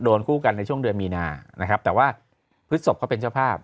คู่กันในช่วงเดือนมีนานะครับแต่ว่าพฤศพเขาเป็นเจ้าภาพ